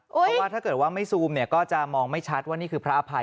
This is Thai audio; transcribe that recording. เพราะว่าถ้าเกิดว่าไม่ซูมเนี่ยก็จะมองไม่ชัดว่านี่คือพระอภัย